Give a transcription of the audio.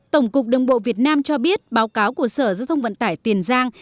tổng cục đường bộ việt nam cho biết báo cáo của sở giới thông vận tải tiền giang